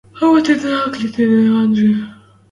А вот тидӹн ӓли тӹдӹн тоныжы